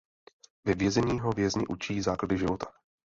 Ve vězení ho vězni učí základy života.